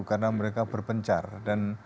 karena mereka berpencar dan